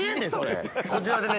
こちらでね。